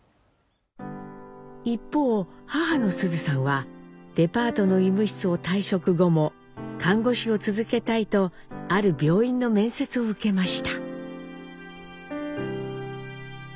一方母の須壽さんはデパートの医務室を退職後も看護師を続けたいとある病院の面接を受けました。